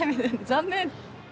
残念。